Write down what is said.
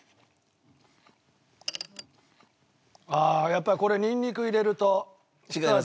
ああやっぱりこれニンニク入れるとひと味